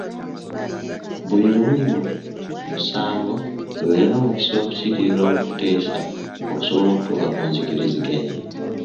Buli luuyi mu musango lubeere n’omukisa okukiikirirwa mu kuteesa okusobola okutuuka ku nzikiriziganya.